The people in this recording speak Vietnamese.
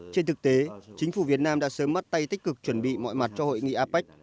trên thực tế chính phủ việt nam đã sớm bắt tay tích cực chuẩn bị mọi mặt cho hội nghị apec